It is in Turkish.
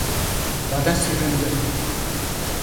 Bana süründü.